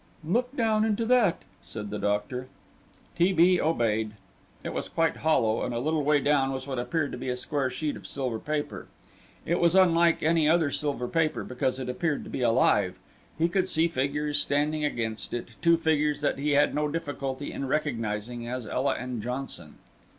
"Look down into that," said the doctor. T. B. obeyed. It was quite hollow, and a little way down was what appeared to be a square sheet of silver paper. It was unlike any other silver paper because it appeared to be alive. He could see figures standing against it, two figures that he had no difficulty in recognizing as Ela and Johnson.